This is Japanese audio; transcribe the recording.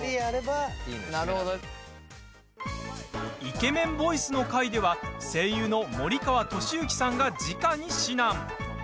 イケメンボイスの回では声優の森川智之さんがじかに指南。